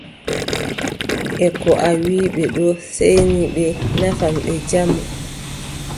E ko a wii ɓe ɗo seeyni ɓe nafan ɓe jamu.